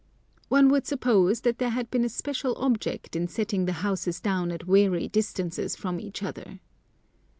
One would suppose that there had been a special object in setting the houses down at weary distances from each other.